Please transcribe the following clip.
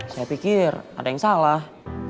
saya pikir ada yang salah